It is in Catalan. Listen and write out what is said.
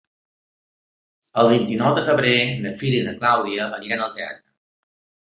El vint-i-nou de febrer na Frida i na Clàudia aniran al teatre.